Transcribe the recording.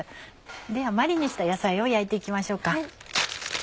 ではマリネした野菜を焼いて行きましょうか。